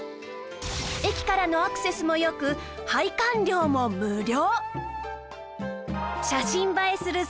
駅からのアクセスも良く拝観料も無料